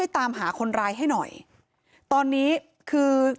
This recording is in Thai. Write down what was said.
ชาวบ้านในพื้นที่บอกว่าปกติผู้ตายเขาก็อยู่กับสามีแล้วก็ลูกสองคนนะฮะ